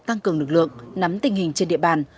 tăng cường lực lượng nắm tình hình trên địa bàn